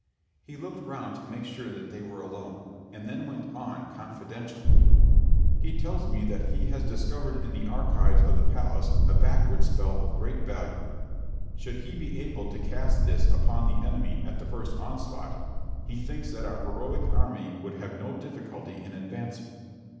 He looked round to make sure that they were alone, and then went on confidentially, "He tells me that he has discovered in the archives of the palace a Backward Spell of great value. Should he be able to cast this upon the enemy at the first onslaught, he thinks that our heroic army would have no difficulty in advancing."